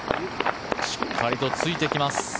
しっかりとついていきます。